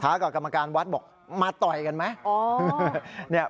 กับกรรมการวัดบอกมาต่อยกันไหม